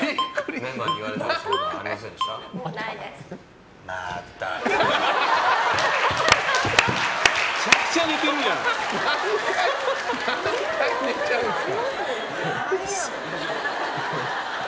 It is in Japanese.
何回寝ちゃうんですか。